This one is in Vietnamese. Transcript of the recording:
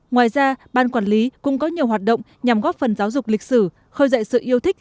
ngoài ra ban quản lý cũng có nhiều hoạt động nhằm góp phần giáo dục lịch sử khơi dậy sự yêu thích